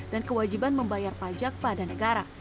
dan kewajiban membayar pajak pada negara